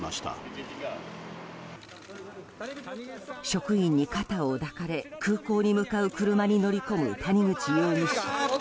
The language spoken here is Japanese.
職員に肩を抱かれ空港に向かう車に乗り込む谷口容疑者。